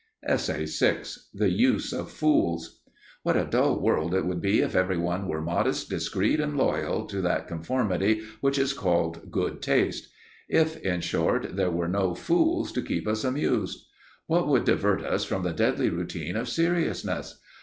*The Use of Fools* What a dull world it would be if everyone were modest, discreet and loyal to that conformity which is called good taste! if, in short, there were no fools to keep us amused. What would divert us from the deadly routine of seriousness?